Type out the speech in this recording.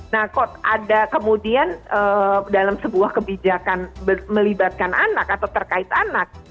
nah ada kemudian dalam sebuah kebijakan melibatkan anak atau terkait anak